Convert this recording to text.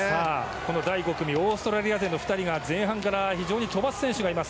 この第５組オーストラリア勢の２人が前半から非常に飛ばす選手がいます。